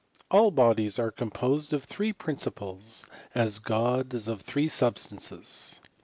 All bodies are composed of three principles, as God is of three substances.